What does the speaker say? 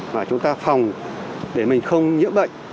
và chúng ta phòng để mình không nhiễm bệnh